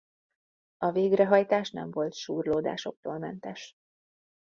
A végrehajtás nem volt súrlódásoktól mentes.